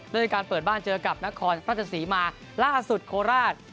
ด้วยการเปิดบ้านเจอกับนครราชสีมาล่าสุดโคราช